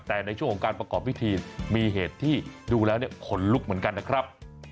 แต่ในช่วงของการประกอบพิธีมีเหตุที่ดูแล้วขนลุกเหมือนกันนะครับ